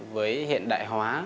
với hiện đại hóa